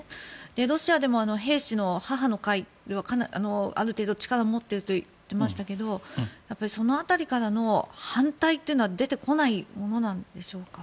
ロシアでも兵士の母の会がある程度、力を持っていると言っていましたがその辺りからの反対っていうのは出てこないものなんでしょうか。